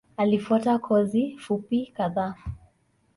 Alifuata kozi fupi kadhaa.